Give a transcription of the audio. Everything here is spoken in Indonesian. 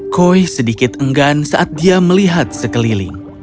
koi sedikit enggan saat dia melihat sekeliling